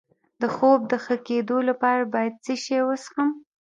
د خوب د ښه کیدو لپاره باید څه شی وڅښم؟